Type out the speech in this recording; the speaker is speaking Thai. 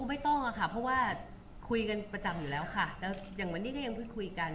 ไม่ต้องอะค่ะเพราะว่าคุยกันประจำอยู่แล้วค่ะแล้วอย่างวันนี้ก็ยังพูดคุยกัน